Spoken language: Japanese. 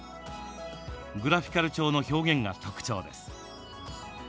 グラフィカル調の表現が特徴です。